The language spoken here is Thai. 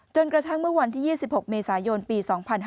กระทั่งเมื่อวันที่๒๖เมษายนปี๒๕๕๙